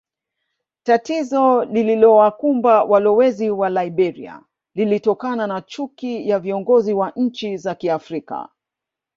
Tatizo lililowakumba walowezi wa Liberia lilitokana na chuki ya viongozi wa nchi za Kiafrika